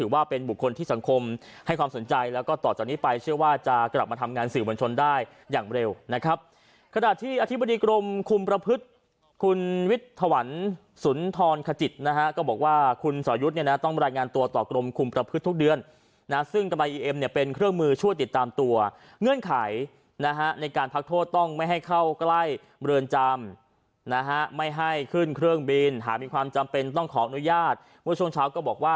ว่าเป็นบุคคลที่สังคมให้ความสนใจแล้วก็ต่อจากนี้ไปเชื่อว่าจะกลับมาทำงานสื่อบนชนได้อย่างเร็วนะครับขณะที่อธิบดีกรมคุมประพฤติคุณวิทย์ถวรศูนย์ทรอนขจิตนะฮะก็บอกว่าคุณสอยยุทธ์ต้องบรรยายงานตัวต่อกรมคุมประพฤติทุกเดือนซึ่งตำรายอีเอ็มเป็นเครื่องมือช่วยติดตามตัวเงื่อนไขนะ